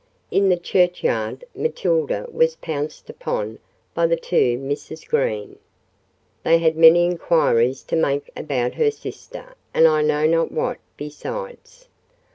In the churchyard, Matilda was pounced upon by the two Misses Green. They had many inquiries to make about her sister, and I know not what besides.